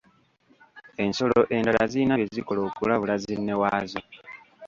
Ensolo endala zirina bye zikola okulabula zinnewaazo.